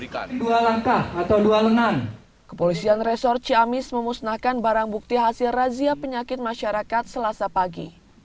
kepolisian resor ciamis memusnahkan barang bukti hasil razia penyakit masyarakat selasa pagi